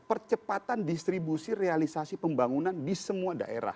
percepatan distribusi realisasi pembangunan di semua daerah